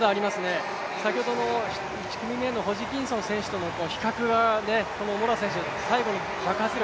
まだあります、先ほどの１組目のホジキンソン選手との比較がこのモラア選手、最後の爆発力